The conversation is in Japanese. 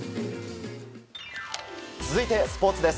続いてスポーツです。